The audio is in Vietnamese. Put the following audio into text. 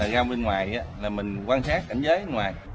ra bên ngoài là mình quan sát cảnh giới ở ngoài